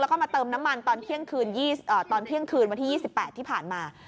แล้วก็มาเติมน้ำมันตอนเที่ยงคืนวันที่๒๘ที่ผ่านมา